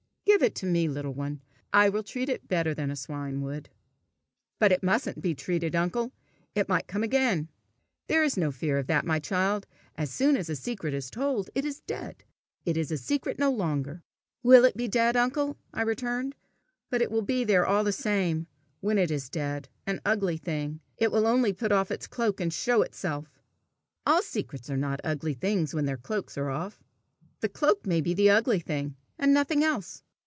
"Give it to me, little one. I will treat it better than a swine would." "But it mustn't be treated, uncle! It might come again!" "There is no fear of that, my child! As soon as a secret is told, it is dead. It is a secret no longer." "Will it be dead, uncle?" I returned. " But it will be there, all the same, when it is dead an ugly thing. It will only put off its cloak, and show itself!" "All secrets are not ugly things when their cloaks are off. The cloak may be the ugly thing, and nothing else."